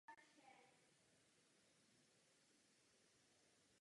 Nedaleko něj jsou na louce zbytky základů oválné stavby z doby Vikingů.